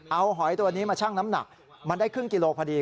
เอาหอยตัวนี้มาชั่งน้ำหนักมันได้ครึ่งกิโลพอดี